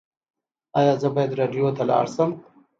ایا زه باید راډیو ته لاړ شم؟